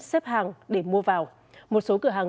xếp hàng để mua vào một số cửa hàng